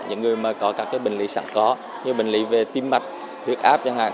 những người mà có các bệnh lý sẵn có như bệnh lý về tim mạch huyết áp chẳng hạn